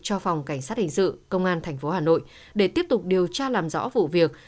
cho phòng cảnh sát hình sự công an tp hà nội để tiếp tục điều tra làm rõ vụ việc